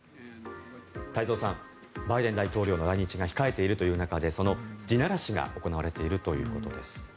太蔵さんバイデン大統領の来日が控えているという中でその地ならしが行われているということです。